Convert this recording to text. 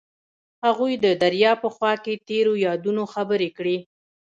هغوی د دریا په خوا کې تیرو یادونو خبرې کړې.